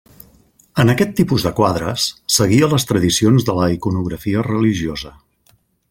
En aquest tipus de quadres, seguia les tradicions de la iconografia religiosa.